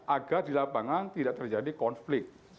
agar di lapangan tidak terjadi konflik